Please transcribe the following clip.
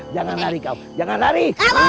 jangan nari kau jangan lari